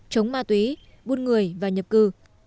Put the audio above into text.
chống ma túy buôn người và nhập cư